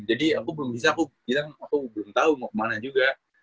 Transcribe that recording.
jadi aku belum bisa aku bilang aku belum tau mau kemana juga